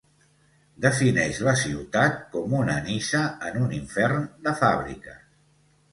Defineix la ciutat com una Niça en un infern de fàbriques.